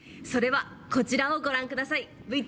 それはこちらをご覧下さい。